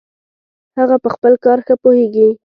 هغه په خپل کار ښه پوهیږي